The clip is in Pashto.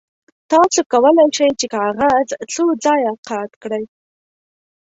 تاسو کولی شئ چې کاغذ څو ځایه قات کړئ.